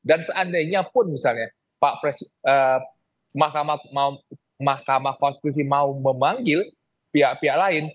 dan seandainya pun misalnya mahkamah konstitusi mau memanggil pihak pihak lain